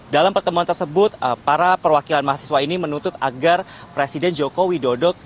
dalam pertemuan tersebut para perwakilan mahasiswa ini menuntut agar presiden joko widodo